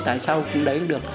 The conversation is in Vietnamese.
tại sao cũng đánh được